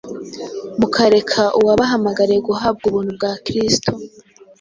mukareka uwabahamagariye guhabwa ubuntu bwa Kristo